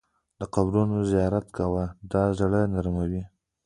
د قبرونو زیارت کوه، دا زړه نرموي.